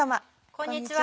こんにちは。